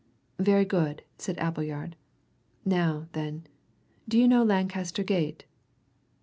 "Very good," said Appleyard. "Now, then, do you know Lancaster Gate?"